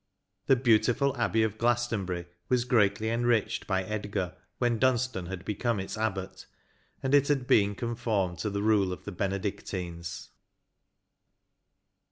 The beautiful abbey of Glastonbury was greatly enriched by £dgar when Dunstan had become its abbot, and it had been conformed to the rule of the Bene dictines.